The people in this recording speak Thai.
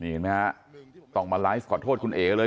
เห็นไหมฮะต้องมาไลฟ์ขอโทษคุณเอ๋เลย